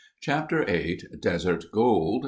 Chapter VIII Desert Gold.